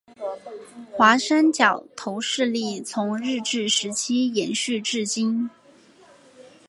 华山角头势力从日治时期延续至今。